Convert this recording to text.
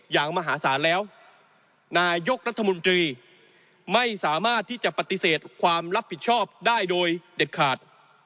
มหาศาลแล้วนายกรัฐมนตรีไม่สามารถที่จะปฏิเสธความรับผิดชอบได้โดยเด็ดขาด